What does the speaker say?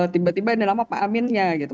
tiba tiba ada nama pak aminnya gitu